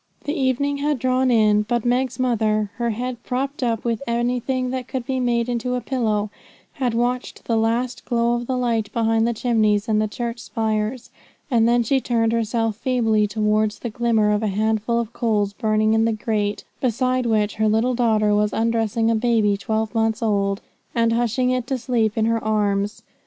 The evening had drawn in, but Meg's mother, her head propped up with anything that could be made into a pillow, had watched the last glow of the light behind the chimneys and the church spires, and then she turned herself feebly towards the glimmer of a handful of coals burning in the grate, beside which her little daughter was undressing a baby twelve months old, and hushing it to sleep in her arms.